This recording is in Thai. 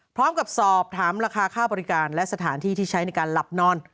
พร้อมกับสอบถามราคาค่าบริการและสถานที่ที่ใช้ในการหลับนอน